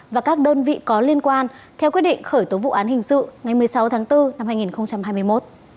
và các đơn vị có liên quan theo quyết định khởi tố vụ án hình sự ngày một mươi sáu tháng bốn năm hai nghìn hai mươi một